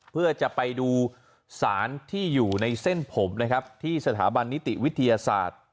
เพื่อจะไปดูสารที่อยู่ในเส้นผมนะครับที่สถาบันนิติวิทยาศาสตร์